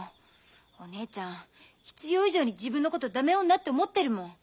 お姉ちゃん必要以上に自分のことダメ女って思ってるもん。